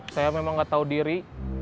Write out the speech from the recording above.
saya memang gak tau diri